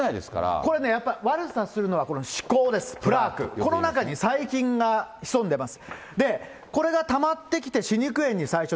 これ、やっぱりね、悪さするのは歯こうです、プラーク、この中に細菌が潜んでいます。